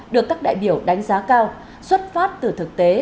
được các đại biểu đánh giá cao xuất phát từ thực tế